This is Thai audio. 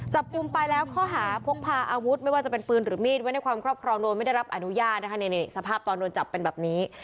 กุมไปแล้วข้อหาพกพาอาวุธไม่ว่าจะเป็นปืนหรือมีดไว้ในความครอบครองโดยไม่ได้รับอนุญาตนะคะนี่สภาพตอนโดนจับเป็นแบบนี้